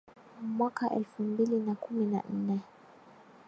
mwaka elfu mbili na kumi na nne